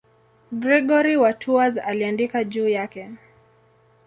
Gregori wa Tours aliandika juu yake.